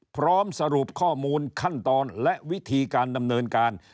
พร้อมสรุปข้อมูลขั้นตอนและวิธีการดำเนินการ